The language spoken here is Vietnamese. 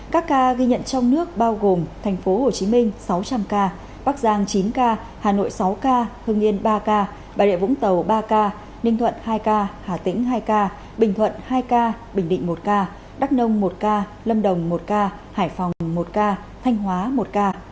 các ca ghi nhận trong nước bao gồm tp hcm sáu trăm linh ca bắc giang chín ca hà nội sáu ca hưng yên ba ca bà rịa vũng tàu ba ca ninh thuận hai ca hà tĩnh hai ca bình thuận hai ca bình định một ca đắk nông một ca lâm đồng một ca hải phòng một ca thanh hóa một ca